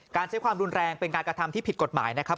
ใช้ความรุนแรงเป็นการกระทำที่ผิดกฎหมายนะครับ